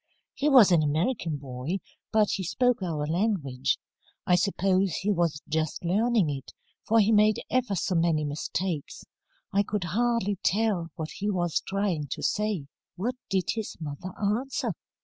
He was an American boy, but he spoke our language. I suppose he was just learning it, for he made ever so many mistakes. I could hardly tell what he was trying to say." "What did his mother answer?"